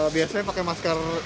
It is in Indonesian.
biasanya pakai masker